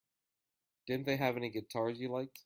Didn't they have any guitars you liked?